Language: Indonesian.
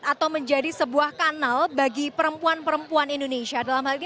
atau menjadi sebuah kanal bagi perempuan perempuan indonesia dalam hal ini